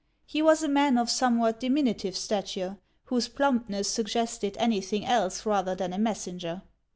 He was a man of somewhat diminutive stature, whose plumpness suggested anything else rather than a messenger.